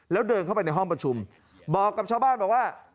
แล้วเดินเข้าไปในห้องประชุมบอกกับชาวบ้านบอกว่า